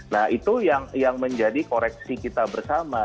nah itu yang menjadi koreksi kita bersama